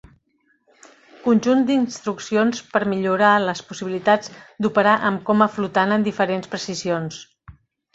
Conjunt d’instruccions per millorar les possibilitats d’operar amb coma flotant en diferents precisions.